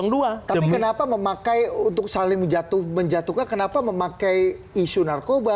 tapi kenapa memakai untuk saling menjatuhkan kenapa memakai isu narkoba